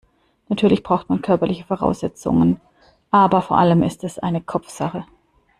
Natürlich braucht man körperliche Voraussetzungen, aber vor allem ist es eine Kopfsache.